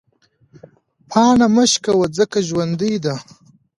پاڼه مه شکوه ځکه ژوندۍ ده.